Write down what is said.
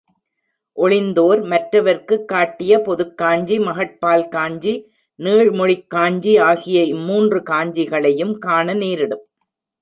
ஒழிந்தோர் மற்றவர்க்குக் காட்டிய பொதுக்காஞ்சி, மகட் பால் காஞ்சி, நீள்மொழிக் காஞ்சி ஆகிய இம்மூன்று காஞ்சிகளையும் காண நேரிடும்.